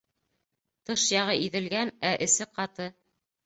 Тыш яғы иҙелгән, ә эсе ҡаты